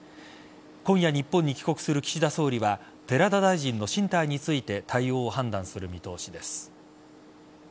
今夜、日本に帰国する岸田総理は寺田大臣の進退について対応を判断する見通しです。